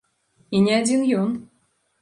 І не адзін ён!